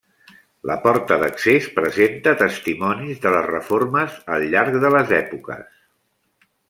La porta d'accés presenta testimonis de les reformes al llarg de les èpoques.